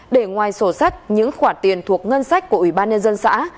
để ngoài sổ sách những khoản tiền thuộc ngân sách của ủy ban nhân dân xã